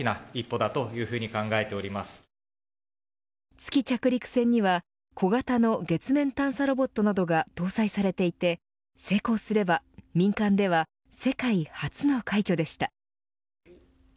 月着陸船には小型の月面探査ロボットなどが搭載されていて成功すれば民間では世界初の快挙でした。